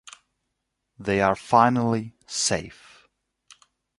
They are finally "safe".